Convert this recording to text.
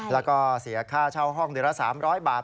แล้วก็เสียค่าเช่าห้องเดือนละ๓๐๐บาท